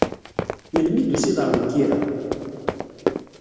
Melmi i d-tusiḍ ar Mkira?